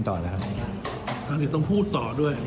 ถ้าถึงที่นี่จริงคือสุดยอดเลยนะพี่